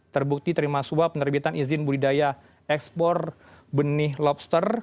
terbukti terima suap penerbitan izin budidaya ekspor benih lobster